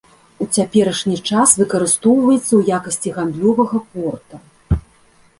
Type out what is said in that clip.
У цяперашні час выкарыстоўваецца ў якасці гандлёвага порта.